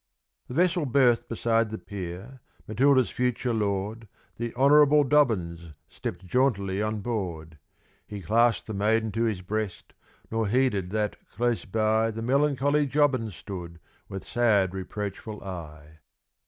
The vessel berthed beside the pier; Matilda's future lord, The "Honourable Dobbins," stepped jauntily on board; He clasped the maiden to his breast, nor heeded that close by The melancholy Jobbins stood with sad reproachful eye.